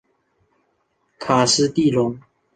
卡斯蒂隆。